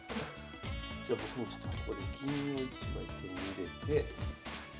じゃ僕もちょっとここで銀を１枚手に入れて。